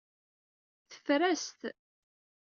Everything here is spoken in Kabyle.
Teffer-as-t.